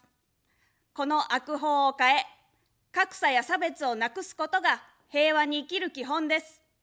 この悪法を変え、格差や差別をなくすことが平和に生きる基本です。